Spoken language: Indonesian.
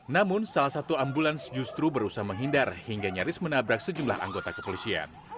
namun salah satu ambulans justru berusaha menghindar hingga nyaris menabrak sejumlah anggota kepolisian